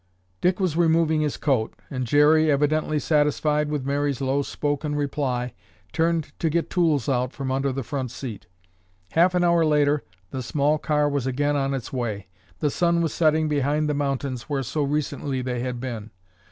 Dick was removing his coat, and Jerry, evidently satisfied with Mary's low spoken reply, turned to get tools out from under the front seat. Half an hour later the small car was again on its way. The sun was setting behind the mountains where so recently they had been.